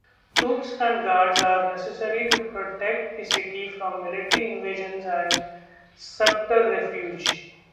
Troops and guards are necessary to protect the city from military invasions and subterfuge.